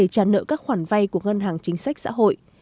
trả nợ các khoản vay của ngân hàng chính sách xã hội